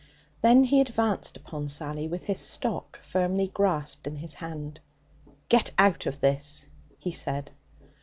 Then he advanced upon Sally with his stock firmly grasped in his hand. 'Get out of this!' he said.